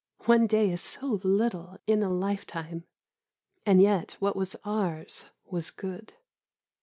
One day is so little in a lifetime, and yet what was ours was good!